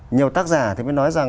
nhiều tác giả mới nói rằng